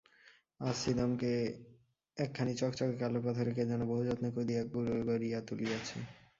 আর ছিদামকে একখানি চকচকে কালো পাথরে কে যেন বহুযত্নে কুঁদিয়া গড়িয়া তুলিয়াছে।